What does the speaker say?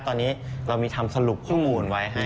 ตอนนี้เรามีทำสรุปข้อมูลไว้ให้